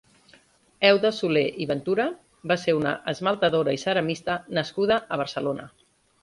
Euda Solé i Ventura va ser una esmaltadora i ceramista nascuda a Barcelona.